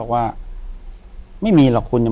อยู่ที่แม่ศรีวิรัยิลครับ